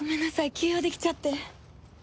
急用できちゃって。